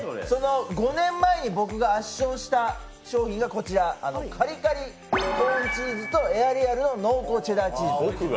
５年前に僕が圧勝した商品がこちらカリカリコーンチーズとエアリアルの濃厚チェダーチーズ味。